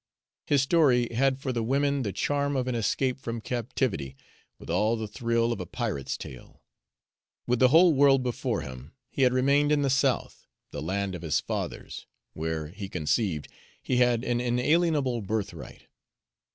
His story had for the women the charm of an escape from captivity, with all the thrill of a pirate's tale. With the whole world before him, he had remained in the South, the land of his fathers, where, he conceived, he had an inalienable birthright.